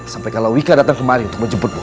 sampai kalawika datang kemari untuk menjemputmu